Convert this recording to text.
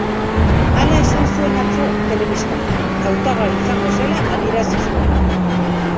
Hala esan zuen atzo telebistan, hautagai izango zela adierazi zuenean.